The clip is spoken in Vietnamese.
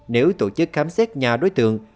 nếu tổ chức khám xét nhà đối tượng